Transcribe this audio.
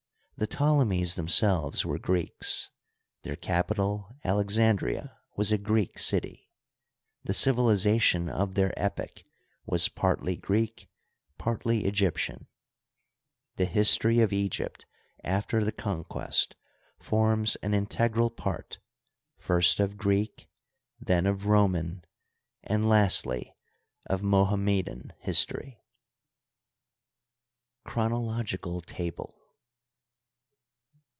The Ptolemies themselves were Greeks; their capital, Alexandria, was a Greek city ; the civiliza tion of their epoch was partly Greek, partly Egyptian. The history of Egypt after the conquest forms an integ^l part, first of Greek, then of Roman, and, lastly, of Mo hammedan history. y Google CHRONOLOGICAL TABLE.